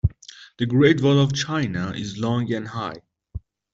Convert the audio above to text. The great wall of China is long and high.